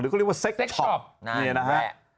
หรือเขาเรียกว่าเซ็กชอป